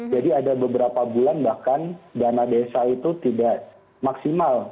jadi ada beberapa bulan bahkan dana desa itu tidak maksimal